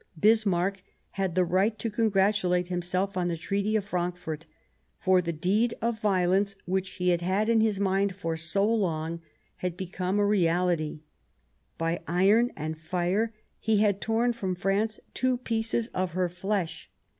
Bismarck had the right to congratulate himself on the Treaty of Frankfort ; for the deed of violence, which he had had in his mind for so long, had become a reality ; by iron and fire he had torn from France two pieces of her flesh.